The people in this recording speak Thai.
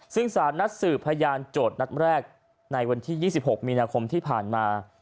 ซึ่งสารนัดสืบพยานโจทย์นัดแรกในวันที่๒๖มีนาคมที่ผ่านมา